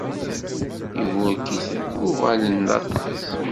Iburek-iten, uɣalen d aṭas.